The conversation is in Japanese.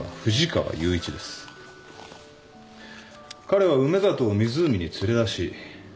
彼は梅里を湖に連れ出し